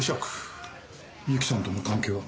ゆきさんとの関係は？